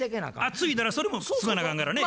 継いだらそれも継がなあかんからね。